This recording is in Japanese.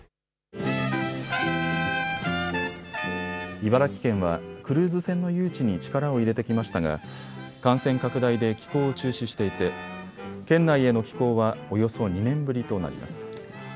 茨城県はクルーズ船の誘致に力を入れてきましたが感染拡大で寄港を中止していて県内への寄港はおよそ２年ぶりとなります。